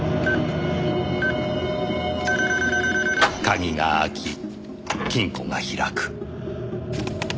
鍵が開き金庫が開く。